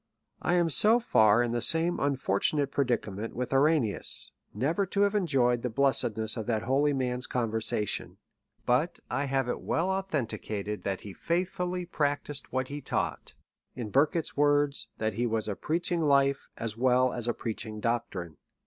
" I am so far in the same unfortunate predicament with Ouranius, never to have enjoyed the blessedness of that holy man's conversation ; but I have it well authenticated that he faithfully practised what he taught; or, in Burkitt's words, that his was " a preach ing life, as well as a preaching doctrine."